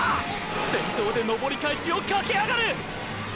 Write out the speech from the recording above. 先頭で登り返しを駆け上がる！！